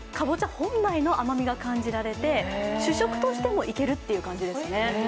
本来の甘みが感じられて主食としてもいけるって感じですね。